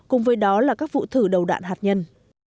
cùng với đó là các vụ thử đầu đạn hạt nhân